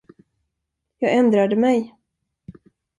Jag ändrade mig.